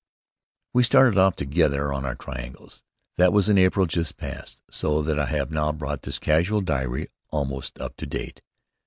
We started off together on our triangles. That was in April, just passed, so that I have now brought this casual diary almost up to date.